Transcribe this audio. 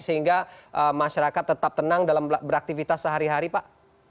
sehingga masyarakat tetap tenang dalam beraktivitas sehari hari pak